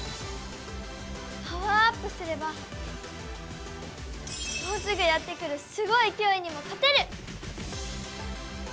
パワーアップすればもうすぐやってくるすごい脅威にも勝てる！